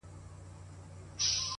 راډيو،